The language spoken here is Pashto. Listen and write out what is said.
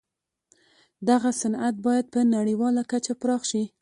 دغه صنعت بايد په نړيواله کچه پراخ شي.